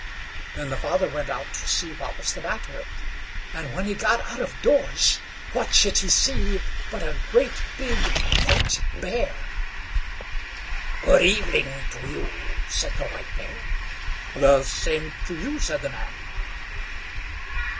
Then the father went out to see what was the matter; and, when he got out of doors, what should he see but a great big White Bear. "Good evening to you!" said the White Bear. "The same to you!" said the man.